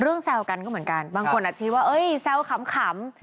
เรื่องแซวกันก็เหมือนกันบางคนอาจที่ว่าเอ้ยแซวขำขำ